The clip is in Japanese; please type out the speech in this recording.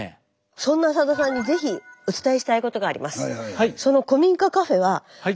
そんなさださんに是非お伝えしたいことがあります。